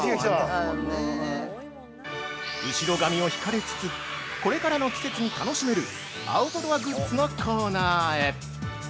◆後ろ髪を引かれつつこれからの季節に楽しめるアウトドアグッズのコーナーへ。